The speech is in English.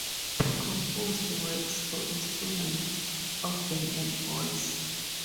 He composed works for instruments, organ, and voice.